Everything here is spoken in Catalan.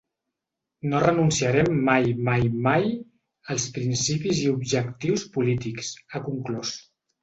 No renunciarem mai, mai, mai als principis i objectius polítics, ha conclòs.